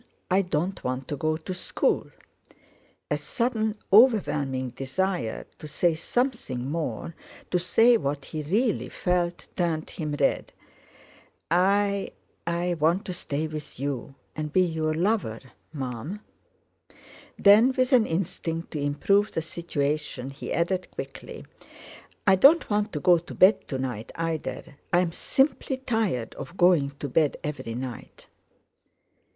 I don't want to go to school." A sudden overwhelming desire to say something more, to say what he really felt, turned him red. "I—I want to stay with you, and be your lover, Mum." Then with an instinct to improve the situation, he added quickly "I don't want to go to bed to night, either. I'm simply tired of going to bed, every night."